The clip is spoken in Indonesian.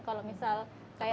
kalau misal kayak